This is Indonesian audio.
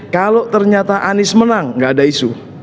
kalau ternyata anies menang gak ada isu